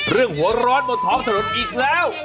เรื่องหัวร้อนหมดท้องถนนอีกแล้ว